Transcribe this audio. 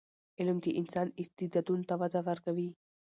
علم د انسان استعدادونو ته وده ورکوي.